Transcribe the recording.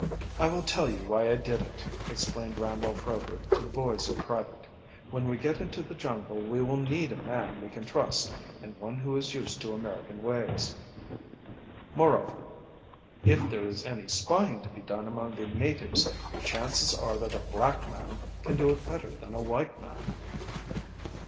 "I will tell you why I did it," explained Randolph Rover to the boys in private. "When we get into the jungle we will need a man we can trust and one who is used to American ways. Moreover, if there is any spying to be done among the natives the chances are that a black man can do it better than a white man."